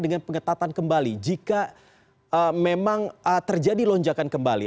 dengan pengetatan kembali jika memang terjadi lonjakan kembali